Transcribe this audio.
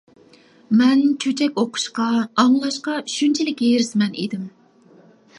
مەن چۆچەك ئوقۇشقا، ئاڭلاشقا شۇنچىلىك ھېرىسمەن ئىدىم.